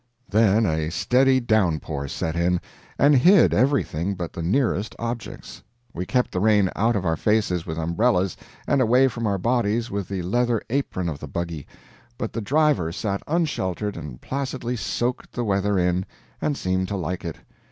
Then a steady downpour set in, and hid everything but the nearest objects. We kept the rain out of our faces with umbrellas, and away from our bodies with the leather apron of the buggy; but the driver sat unsheltered and placidly soaked the weather in and seemed to like it.